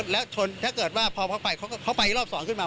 แล้วชนถ้าเกิดว่าพอเขาไปเขาไปรอบสองขึ้นมา